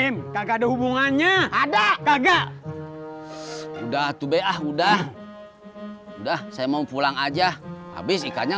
m kagak ada hubungannya ada kagak udah tuh beah udah udah saya mau pulang aja habis ikannya